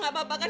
ya allah bangun